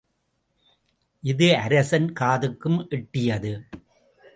இது அரசன் காதுக்கும் எட்டியது.